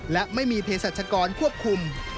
และไม่มีเพศรัชกรควบคุม